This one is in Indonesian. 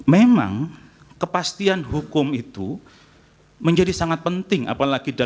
memang kepastian hukum itu menjadi sangat penting apalagi di dalam keseluruhan negara